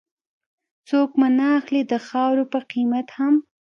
څوک مو نه اخلي د خاورو په قيمت هم